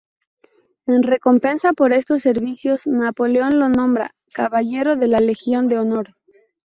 En recompensa por estos servicios, Napoleón lo nombra "Caballero de la Legión de Honor".